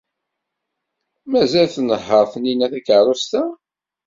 Mazal tnehheṛ Taninna takeṛṛust-a?